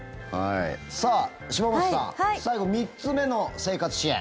さあ、島本さん最後３つ目の生活支援。